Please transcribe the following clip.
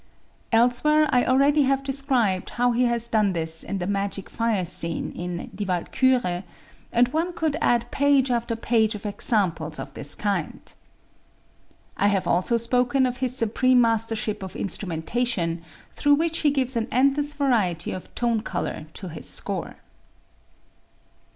Elsewhere I already have described how he has done this in the Magic Fire Scene in "Die Walküre," and one could add page after page of examples of this kind. I have also spoken of his supreme mastership of instrumentation, through which he gives an endless variety of tone color to his score.